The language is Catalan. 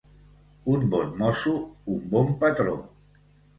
Un bon mosso, un bon patró.